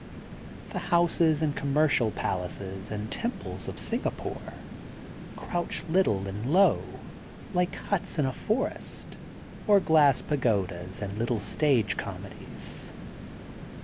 The houses and commercial palaces and temples of Singapore crouch little and low, like huts in a forest, or glass pagodas in little stage comedies.